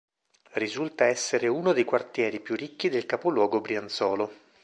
Risulta essere uno dei quartieri più ricchi del capoluogo brianzolo.